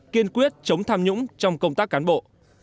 kiên quyết chống tham nhũng trong công tác cán bộ